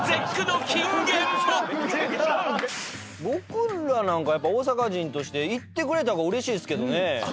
僕らなんかやっぱ大阪人として行ってくれた方がうれしいですけどね。